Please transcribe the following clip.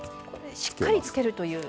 しっかりつけるという。